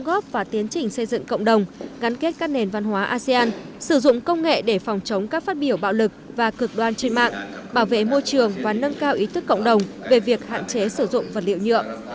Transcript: đóng góp và tiến trình xây dựng cộng đồng gắn kết các nền văn hóa asean sử dụng công nghệ để phòng chống các phát biểu bạo lực và cực đoan trên mạng bảo vệ môi trường và nâng cao ý thức cộng đồng về việc hạn chế sử dụng vật liệu nhựa